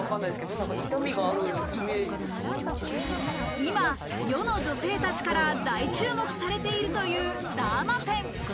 今、世の女性たちから大注目されているというダーマペン。